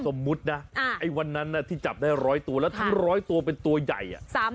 สมมุตินะไอ้วันนั้นที่จับได้๑๐๐ตัวแล้วทั้ง๑๐๐ตัวเป็นตัวใหญ่